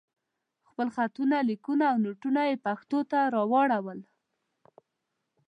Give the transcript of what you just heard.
خپل خطونه، ليکونه او نوټونه مې پښتو ته راواړول.